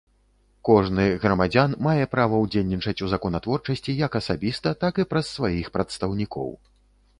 Кожны грамадзян мае права ўдзельнічаць у законатворчасці як асабіста, так і праз сваіх прадстаўнікоў.